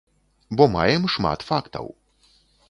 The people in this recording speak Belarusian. Бо маем шмат фактаў.